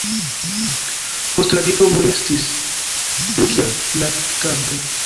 Post la diplomo li restis plu kiel praktikanto.